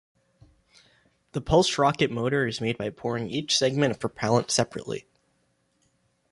The pulsed rocket motor is made by pouring each segment of propellant separately.